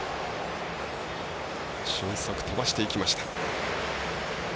俊足、飛ばしていきました。